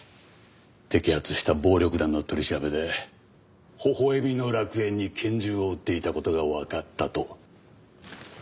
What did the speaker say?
摘発した暴力団の取り調べで微笑みの楽園に拳銃を売っていた事がわかったと。